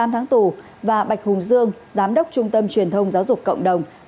bốn mươi tám tháng tù và bạch hùng dương giám đốc trung tâm truyền thông giáo dục cộng đồng